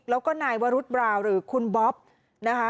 แล้วก็นายวรุษบราวหรือคุณบ๊อบนะคะ